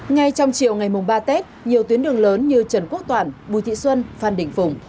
ngay trong chiều ngày mùng ba tết nhiều tuyến đường lớn như trần quốc toàn bùi thị xuân phan đình phùng